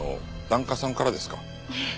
ええ。